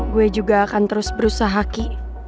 gue juga akan terus berusaha ki